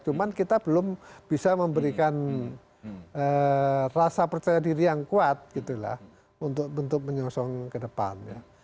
cuman kita belum bisa memberikan rasa percaya diri yang kuat gitu lah untuk menyosong ke depan